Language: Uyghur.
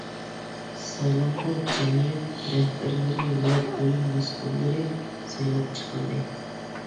سايلامدا جەمئىيەت رەھبەرلىرى ۋە بۆلۈم مەسئۇللىرى سايلاپ چىقىلدى.